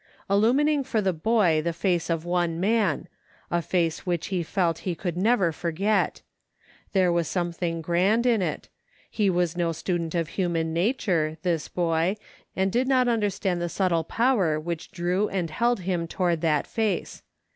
Illumining for the boy the face of one man ; a face which he felt he could never forget. There was something grand in it ; he was no student of human nature — this boy — and did not understand the subtle power which drew and held him toward that face.